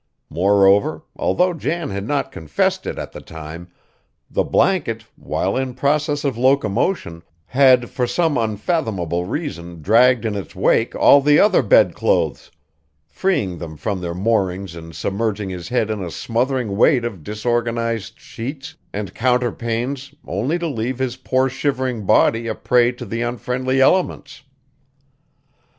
Moreover, although Jan had not confessed it at the time, the blanket while in process of locomotion had for some unfathomable reason dragged in its wake all the other bedclothes, freeing them from their moorings and submerging his head in a smothering weight of disorganized sheets and counterpanes only to leave his poor shivering body a prey to the unfriendly elements.